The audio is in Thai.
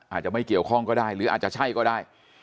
อาจจะไม่เกี่ยวข้องก็ได้หรืออาจจะใช่ก็ได้